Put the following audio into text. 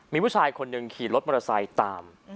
มีผู้ชายคนหนึ่งขี่รถมอเตอร์ไซค์ตาม